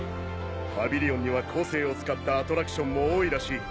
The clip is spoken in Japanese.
パビリオンには個性を使ったアトラクションも多いらしい。